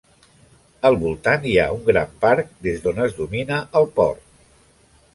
Al voltant hi ha un gran parc des d'on es domina el port.